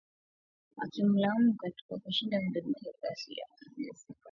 wakimlaumu kwa kushindwa kudhibiti ghasia zinazoongezeka za